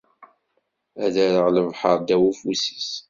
Ad rreɣ lebḥer ddaw ufus-is.